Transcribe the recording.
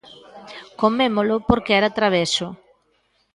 comémolo porque era traveso.